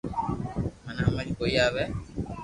منو ھمج ڪوئي آوي